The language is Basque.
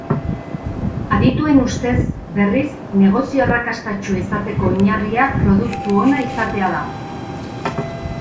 Adituen ustez, berriz, negozio arrakastatsua izateko oinarria produktu ona izatea da.